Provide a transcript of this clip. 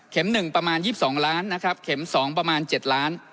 เข็มหนึ่งประมาณยิบสองล้านนะครับเข็มสองประมาณเจ็ดล้าน